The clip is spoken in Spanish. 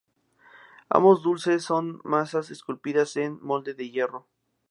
Ambos dulces son masas esculpidas en molde de hierro.